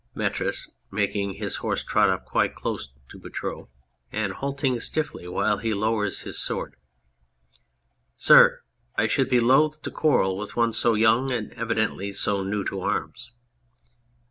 } METRIS (making his horse trot up quite close to BOUTROUX and halting stiffly while he lowers his sword]. Sir ! I should be loath to quarrel with one so young and evidently so new to arms.